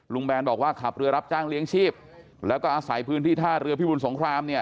แบนบอกว่าขับเรือรับจ้างเลี้ยงชีพแล้วก็อาศัยพื้นที่ท่าเรือพิบุญสงครามเนี่ย